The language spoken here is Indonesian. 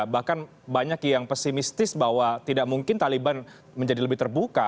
bahkan banyak yang pesimistis bahwa tidak mungkin taliban menjadi lebih terbuka